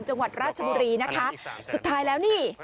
จังหวัดราชบุรีนะคะสุดท้ายแล้วนี่